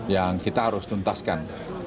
yang kita harus tuntaskan